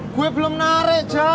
gue belum narik juga